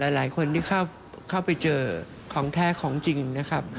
หลายคนที่เข้าไปเจอของแท้ของจริงนะครับ